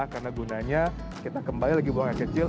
karena gunanya kita kembali lagi buang air kecil